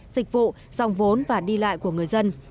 dịch vụ dòng vốn và đi lại của người dân